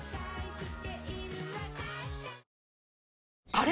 あれ？